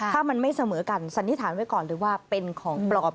ถ้ามันไม่เสมอกันสันนิษฐานไว้ก่อนเลยว่าเป็นของปลอม